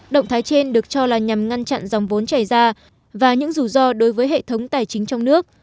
động thái trên được cho là nhằm ngăn chặn dòng vốn chảy ra và những rủi ro đối với hệ thống tài chính trong nước